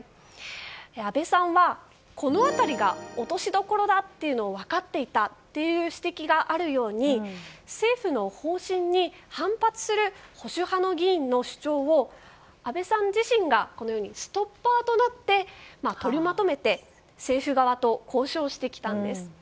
安倍さんは、この辺りが落としどころだというのを分かっていたという指摘があるように政府の方針に反発する保守派の議員の主張を安倍さん自身がストッパーとなってとりまとめて政府側と交渉してきたんです。